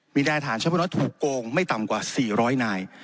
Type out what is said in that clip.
มีนายฐานเฉพาะรถถูกโกงไม่ต่ำกว่า๔๐๐นาย